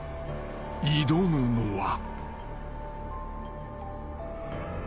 ［挑むのは］